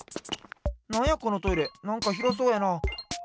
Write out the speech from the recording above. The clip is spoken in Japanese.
なんやこのトイレなんかひろそうやな。